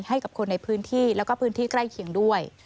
ให้กับคนในพื้นที่แล้วก็พื้นที่ใกล้เคียงด้วย